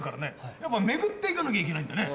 やっぱ巡っていかなきゃいけないんだね。